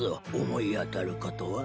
思い当たることは？